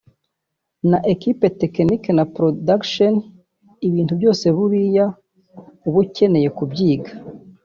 na equipe technique na production ibintu byose buriya uba ukeneye kubyiga